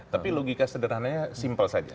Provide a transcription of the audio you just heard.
tapi logika sederhananya simpel saja